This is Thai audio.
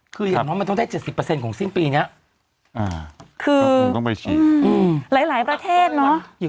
คือย่างน้องมันต้องได้๗๐ของสิ้นปีนี้